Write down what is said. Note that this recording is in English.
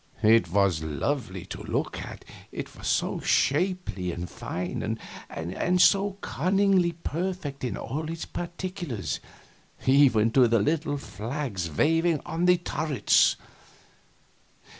It was lovely to look at, it was so shapely and fine, and so cunningly perfect in all its particulars, even to the little flags waving from the turrets.